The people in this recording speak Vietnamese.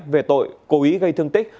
về tội cố ý gây thương tích